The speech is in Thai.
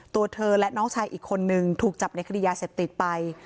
ตัวเธอและน้องชายอีกคนนึงถูกจับในคดียาเสพติดไป